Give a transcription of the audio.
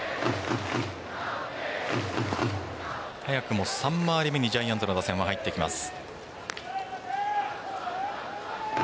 早くも３回り目にジャイアンツの打線は入っていきます。